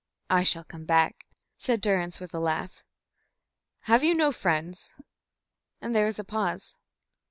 "I shall come back," said Durrance, with a laugh. "Have you no friends?" And there was a pause.